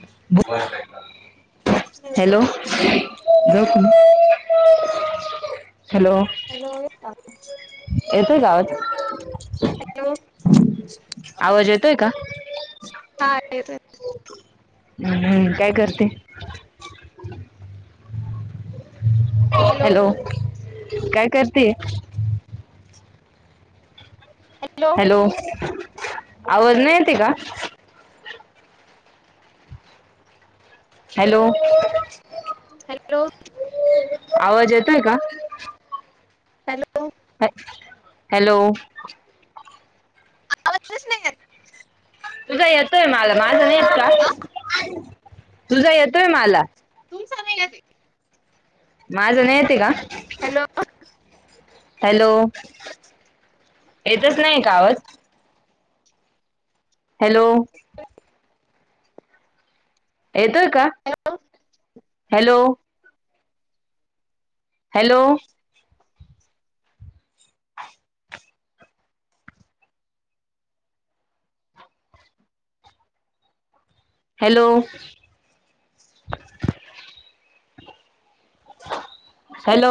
[unintelligible] Hello hello [unintelligible] hello hello का. येतोय का आवाज? हॅलो! आवाज येतोय का? हा येतोय. हम हम्म हम्म काय करते? हॅलो काय करतेय? हॅलो! आवाज नाही येते का? हॅलो हॅलो आवाज येतोय का? हॅलो! हॅलो! आवाज स्पष्ट नाही येत! तुझा येतोय मला माझ नाहीत का आ तुझा येतोय मला? तुमचा नाही येतंय! माझं नही येतय का? हॅलो अ. हॅलो येतच नाही कावत. हॅलो! येतोय का hello hello. Hello. Hello! Hello!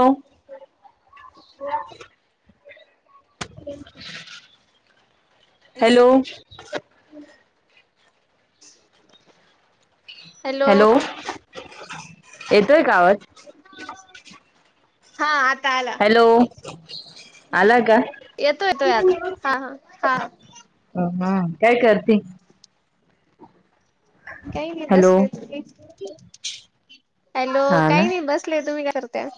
Hello! [unintelligible] Hello येतोय का आवाज? हा आता आला! हॅलो आला काय? येतो येतोय आता हा हा हा! अ ह हा काय करते काही नाही बसलेत. हो हॅलो काही नाही बसले तुम्ही काय करताय?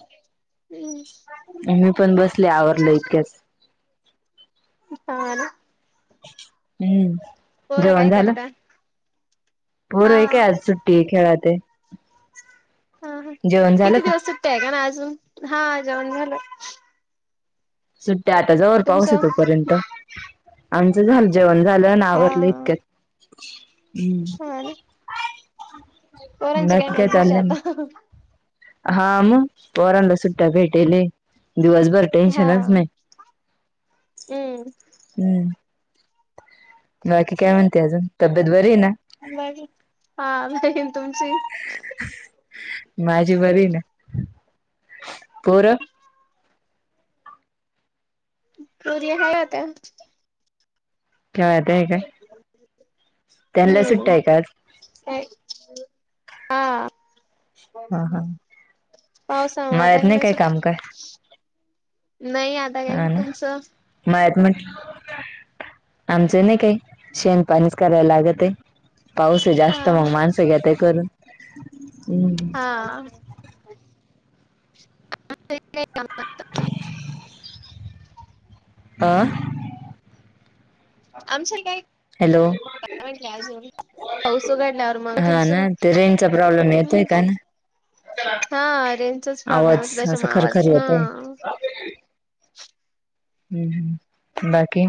मी पण बसले आवरले इतक्याच. हाण. हम्म म म. पोर काय करत्यात. पोर हे काय आज सुट्टी खेळत्यात. झालं किती का दिवस सुट्टी आहे का ना अजून हा जेवण झाल. सुट्ट्या आता जवळ पाऊस तुमचं आहे तोपर्यंत आमचं झालं जेवण. झालं ना हा आवरलं इतक्यात हम्म. हा ना पोरांची काय मज्जाच आहे आता. हा मग पोरांना सुट्ट्या भेटेले दिवसभर. हा टेन्शनच नाही हम्म. हम्म म. बाकी काय म्हणते अजून तंब्येत बरी आहे ना? बरी हा नाय तुमची माझी बरी आहे ना पोर. [inaudible] पुरी हाये आत्या? खेळत्या ते आहे काय? हम्म त्यांना सुट्ट्या हम्म. आहे का आज काय हा. हा हा पावसामुळे मळ्यात नाही त्यानले काय असं काम काय नाही आता काय कि तुमचं माहित नाय आमचं नाही काय शेण पाणीच कराय लागत आहे. पाऊस आहे हा जास्त मग माणसं घ्यात आहे करून हम्म. हा. [unintelligible] आं आमच्या काय हॅलो पाऊस उघडल्यावर मग होतील हा सुरू ना ते रेंजचा प्रॉब्लेम येतोय हम्म का ना. हा रेंजचाच प्रॉब्लेम आवाज होता असं त्याच्यामुळे आवाज खरखर येतय. हा हम्म हम्म बाकी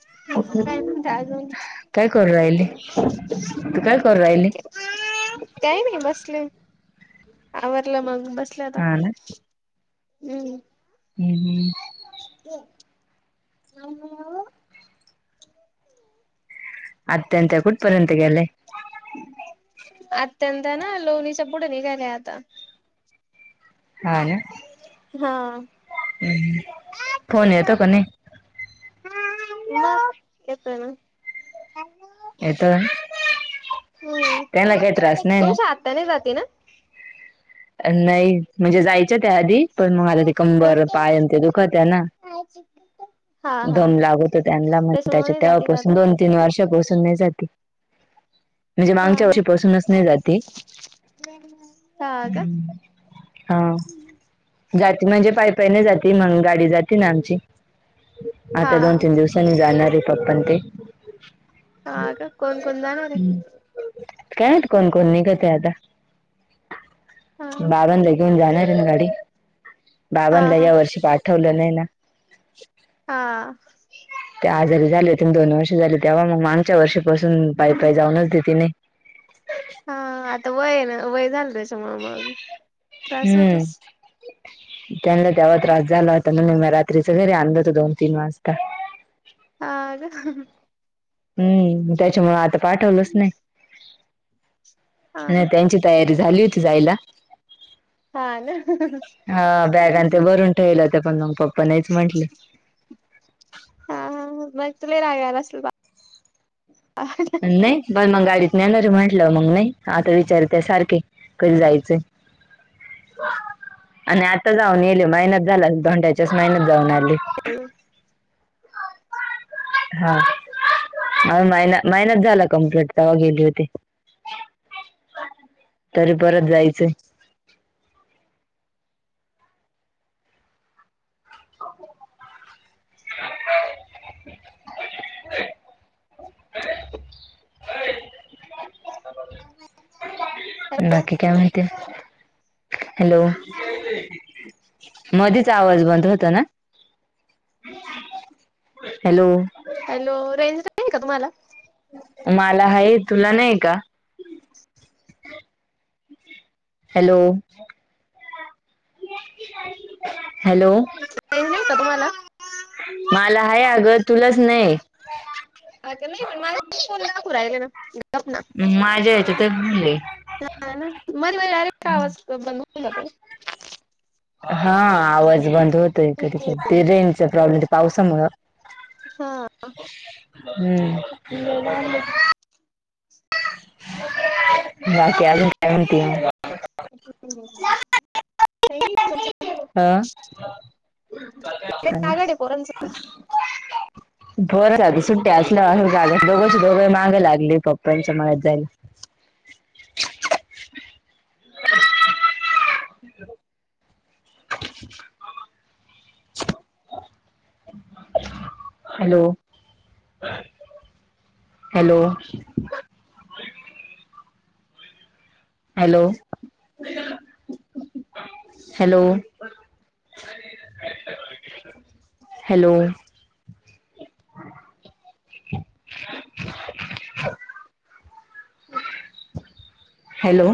[unintelligible] काही काय करू राहिली? तू काय करू राहिली? नाही बसले आवरलं मग बसले. उथले आता हा ना हम्म. हम्म हम्म. [inaudible] आत्याण त्या कुठपर्यत गेल्या? अत्यंत ना लोहणीच्यापोट [unintelligible] आता. हा ना. हा. हम्म फोन येतो क नी. येतं ना. [unintelligible] [inaudible] त्याना काही त्रास नाही ना? हाताने जाते ना? नाही. म्हणजे, जायच्या त्या आधी, पण मग आता ते कंबर, पाय न ते दुखतेय ना. हा हा दम लागतो त्यानला. म्हण त्याच्यामुळे त्याच्या नाही जाते का तेव्हापासून आता दोन -तीन वर्षापासून नाही जात. म्हणजे, हा मांगच्या हा वर्षीपासूनच नाही जात ते. [inaudible] ह [inaudible] हा. जाती म्हणजे, पायपायने जाती. मग गाडी जाते ना आमची. हा आता दोन- तीन दिवसानी जाणारय पप्पा न ते. [unintelligible] हा का कोण कोण जाणार आहे हम्, कायमाहीत कोण कोन निघतय आता. हा बाबानला घेऊन जाणारय ना गाडी. हा बाबानला हा या वर्षी पाठवलं नाही ना. हा. ते आजारी झाले होते ना, दोन वर्ष झाले. तेव्हा मग मागच्या वर्षापासून पाय-पाय जाऊनच देति नाही. हा, आता वय न, वय झालं त्याच्या मूळ मग. त्रास हम्म. होतच त्यांना तेव्हा त्रास झाला होता. निम्या रात्रीचं घरी आणलं होत, दोन - तीन वाजता. [unintelligible] हम्म. त्याच्यामुळं आता पाठवलंच नाही. हा नाही हा त्यांची तयारी झाली होती जायला. हा ना हा बॅगा न ते भरून ठेवलं होते. पण मग पप्पा नाहीच म्हटले. [unintelligible] हा, हा, हा. मग तर लय राग असल बा. [unintelligible] नाही, पण मग गाडीत नेणारय म्हंटलं मग नाही आता विचारते सारखे. कधी जायचंय? [inaudible] आणि आता जाऊन येल, महिनाच झाला. धोंड्याच्याच महिन्यात जाऊन आली. [unintelligible] हा [inaudible] महिना, महिनाच झाला कम्प्लीट तेव्हा गेली होती. [unintelligible] तरी परत जायचंय. [unintelligible] बाकी काय माहितेय? हॅलो. [unintelligible] मधीच आवाज बंद होतो ना? [unintelligible] हॅलो. हॅलो, रेंज नाही का तुम्हाला? मला हाय, तुला नाही का? Hello, [unintelligible] hello. [unintelligible] रेंज नाही का तुम्हाला? माला हाय आगं, तुलाच नाय. आग नाही, पण माझा [unintelligible] फोन दाखवू राहिले ना? गप ना माझ्या ह्याच्यातच दिलंय. हा ना मध्ये मध्ये डायरेक्ट [inaudible] [unintelligible] हा, आवाज बंद होतंय कधी-कधी. हम्म. ते रेंजचा प्रॉब्ले पावसामुळे हा. [unintelligible] [inaudible] हम्म. [unintelligible] [inaudible] बाकी अजून काय म्हणतीय मग? [unintelligible] काय नाही [unintelligible] अ आघाड आहे पोरांच [unintelligible] [inaudible] पोरंच आधी सुट्ट्या असल्यावर [unintelligible] दोघंची दोघं मागं लागली पप्पांच्या, मळ्यात जायला. Hello [unintelligible] hello. Hello. [unintelligible] Hello! Hello! Hello!